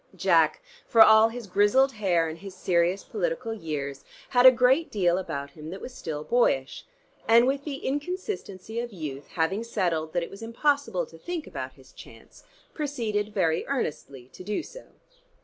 Jack, for all his grizzled hair and his serious political years, had a great deal about him that was still boyish, and with the inconsistency of youth having settled that it was impossible to think about his chance, proceeded very earnestly to do so.